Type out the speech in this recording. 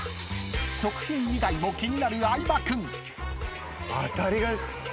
［食品以外も気になる相葉君］